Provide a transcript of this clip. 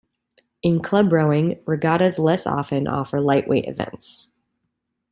In club rowing, regattas less often offer lightweight events.